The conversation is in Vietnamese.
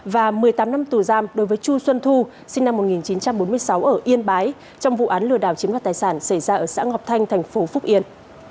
và một mươi tám năm tù giam đối với chu xuân thu sinh năm một nghìn chín trăm bốn mươi sáu ở yên bái trong vụ án lừa đảo chiếm đoạt tài sản xảy ra ở xã ngọc thanh thành phố phúc yên